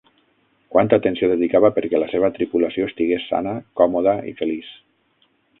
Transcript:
Quanta atenció dedicava perquè la seva tripulació estigués sana, còmoda i feliç!